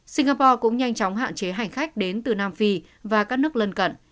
singapore cũng nhanh chóng hạn chế hành khách đến từ nam phi và các nước lân cận